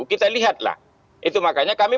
kita lihat lah itu makanya kami